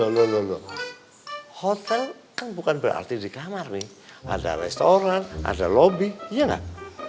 loh loh loh hotel kan bukan berarti di kamar nih ada restoran ada lobby iya gak